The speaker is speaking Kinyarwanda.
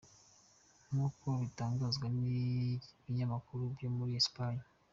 Nkuko bitangazwa nibinyamakuru byo muri Esipanye.